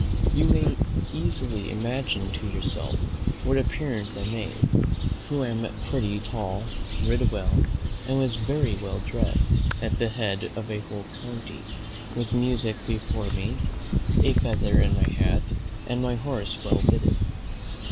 You may easily imagine to yourself what appearance I made, who am pretty tall, rid well, and was very well dressed, at the head of a whole county, with musick before me, a feather in my hat, and my horse well bitted.